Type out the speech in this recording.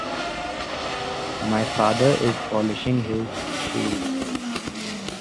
My father is polishing his shoes.